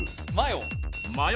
「マヨ！」